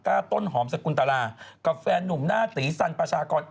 ต้นหอมสกุลตรากับแฟนนุ่มหน้าตีสันประชากร